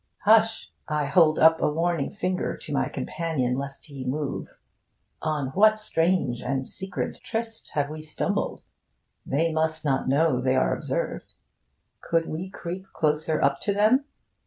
Hush! I hold up a warning finger to my companion, lest he move. On what strange and secret tryst have we stumbled? They must not know they are observed. Could we creep closer up to them?